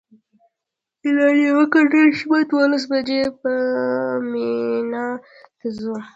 اعلان یې وکړ نن شپه دولس بجې به مینا ته ځو.